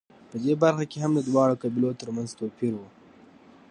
په دې برخه کې هم د دواړو قبیلو ترمنځ توپیر و